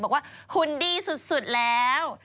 บอกว่าหุนดีสุดแล้ว